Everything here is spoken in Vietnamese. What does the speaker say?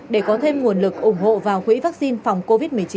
để có thêm nguồn lực ủng hộ vào quỹ vaccine phòng covid một mươi chín